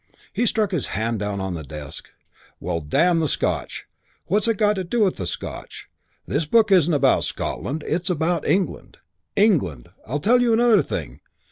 He struck his hand down on the desk: "Well, damn the Scotch. What's it got to do with the Scotch? This book isn't about Scotland. It's about England. England. I'll tell you another thing.